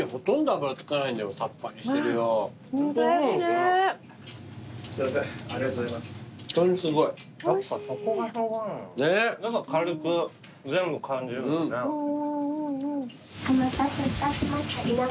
お待たせいたしました。